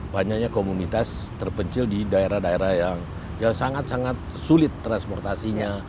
banyaknya komunitas terpencil di daerah daerah yang sangat sangat sulit transportasinya